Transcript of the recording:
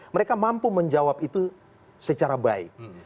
mereka mampu menjawab itu secara baik